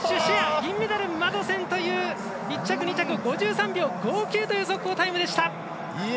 銀メダル、マドセンという１着、２着、５３秒５９という速報タイムでした！